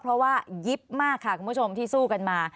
เพราะว่ายิบมากค่ะคุณผู้ชมที่สู้กันมา